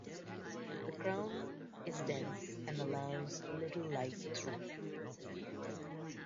The crown is dense and allows little light through.